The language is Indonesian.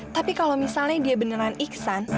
tapi kalau misalnya dia beneran iksan